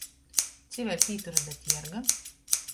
Cik vēļ pīturu da tierga?